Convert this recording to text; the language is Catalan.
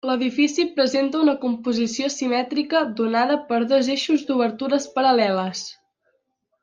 L'edifici presenta una composició simètrica donada per dos eixos d'obertures paral·leles.